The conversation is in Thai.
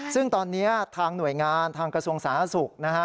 ซึ่งตอนนี้ทางหน่วยงานทางกระทรวงสาธารณสุขนะฮะ